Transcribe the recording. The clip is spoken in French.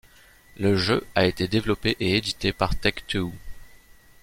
Le jeu a été développé et édité par Take Two.